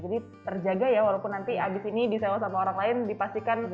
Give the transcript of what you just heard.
jadi terjaga ya walaupun nanti abis ini disewa sama orang lain dipastikan aman semuanya